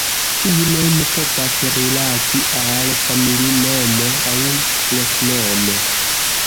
Tiu nomo povas rilati al familinomo aŭ loknomo.